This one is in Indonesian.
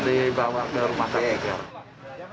ini ada di rumah sakit